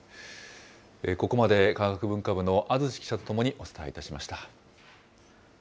ここまで、科学文化部の安土記者と共にお伝えしました。